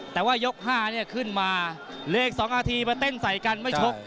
แต่ว่ายก๕เนี่ยขึ้นมาเลข๒นาทีมาเต้นใส่กันไม่ชก